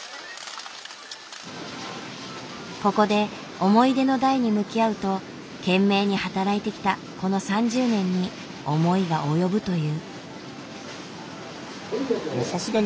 ここで思い出の台に向き合うと懸命に働いてきたこの３０年に思いが及ぶという。